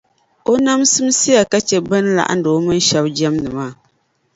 O nam simsiya ka chɛ bɛ ni laɣindi o mini shɛli jɛmdi maa.